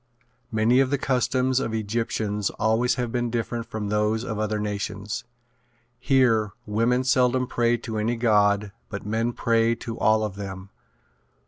Many of the customs of Egyptians always have been different from those of other nations. Here women seldom pray to any god but men pray to all of them.